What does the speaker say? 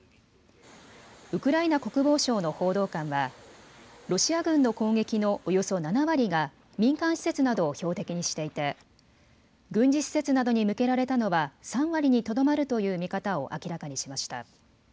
ウクライナ国防省の報道官はロシア軍の攻撃のおよそ７割が民間施設などを標的にしていて軍事施設などに向けられたのは３割にとどまるという見方を明らかにしました。